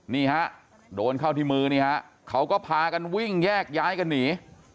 นี่ฮะโดนเข้าที่มือนี่ฮะเขาก็พากันวิ่งแยกย้ายกันหนี